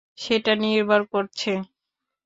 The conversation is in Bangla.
সেটা নির্ভর করছে।